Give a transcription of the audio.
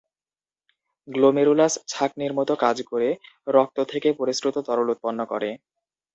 Glomerulus ছাঁকনির মতো কাজ করে রক্ত থেকে পরিস্রুত তরল উৎপন্ন করে।